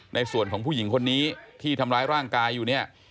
ในส่วนของผู้หญิงคนนี้ที่ทำร้ายร่างกายอยู่เนี่ย